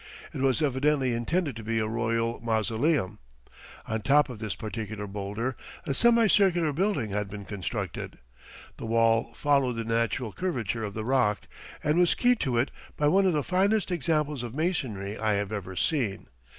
It was evidently intended to be a Royal Mausoleum. On top of this particular boulder a semicircular building had been constructed. The wall followed the natural curvature of the rock and was keyed to it by one of the finest examples of masonry I have ever seen.